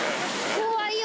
怖いよ。